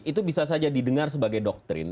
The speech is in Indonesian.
itu bisa saja didengar sebagai doktrin